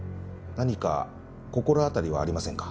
何か心当たりはありませんか？